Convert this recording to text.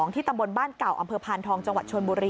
ตำบลบ้านเก่าอำเภอพานทองจังหวัดชนบุรี